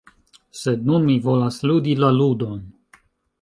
Sed nun mi volas ludi la ludon.